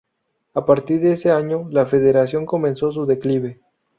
A partir de ese año, la Federación comenzó su declive.